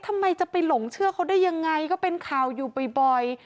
ทำไมจะไปหลงเชื่อเขาได้ยังไงก็เป็นข่าวอยู่บ่อย